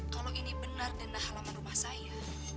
kalau ini benar denda halaman rumah saya